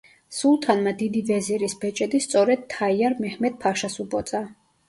სულთანმა დიდი ვეზირის ბეჭედი სწორედ თაიარ მეჰმედ-ფაშას უბოძა.